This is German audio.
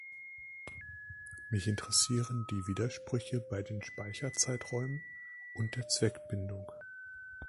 Mich interessieren die Widersprüche bei den Speicherzeiträumen und der Zweckbindung.